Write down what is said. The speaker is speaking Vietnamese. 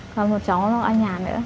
còn một cháu nó ở nhà nữa